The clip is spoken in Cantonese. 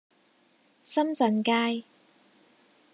深圳街